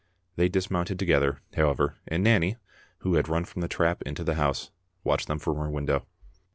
They dismounted together, however, and Nanny, who had run from the trap into the house, watched them from her window.